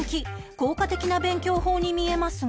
効果的な勉強法に見えますが